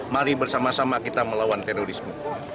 mari bersama sama kita melawan terorisme